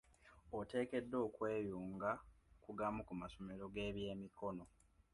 Oteekeddwa okweyunga ku gamu ku masomero g'ebyemikono.